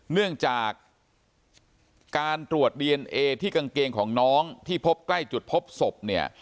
เนื่องจากการตรวจดีเอนเอที่กางเกงของน้องที่พบใกล้จุดพบศพเนี่ย